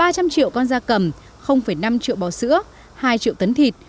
ba trăm linh triệu con da cầm năm triệu bò sữa hai triệu tấn thịt